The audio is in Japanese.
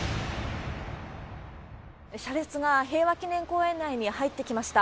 車列が平和記念公園内に入ってきました。